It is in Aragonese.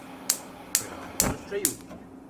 Pero agún no hez cayiu?